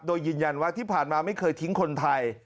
โดยยืนยันว่าที่ผ่านมาไม่เคยทิ้งคนไทย